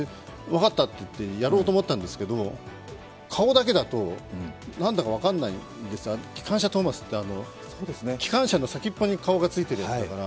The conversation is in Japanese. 分かったといってやろうと思ったんですけど、顔だけだと何だか分かんないんです、きかんしゃトーマスって機関車の先っぽに顔がついてるやつだから。